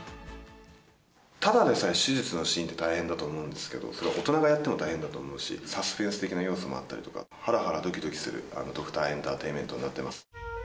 ただでさえ手術のシーンって大変だと思うんですけど、それは大人がやっても大変だと思うし、サスペンス的な要素もあったりとか、はらはらどきどきする、ドクターエンタテインメントになってます。